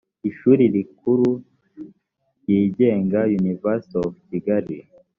ishuri rikuru ryigenga university of kigali